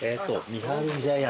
三春茶屋？